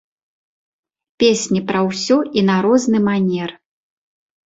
Песні пра ўсё і на розны манер.